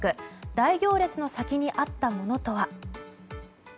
大行列の先にあったものとは。